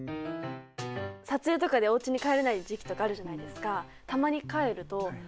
撮影とかでおうちに帰れない時期とかあるじゃないですか。